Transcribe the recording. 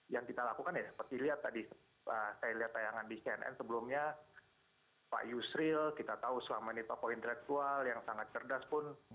yang kita lakukan ya seperti lihat tadi saya lihat tayangan di cnn sebelumnya pak yusril kita tahu selama ini tokoh intelektual yang sangat cerdas pun